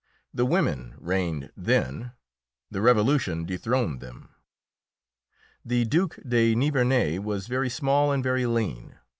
The women reigned then; the Revolution dethroned them. The Duke de Nivernais was very small and very lean.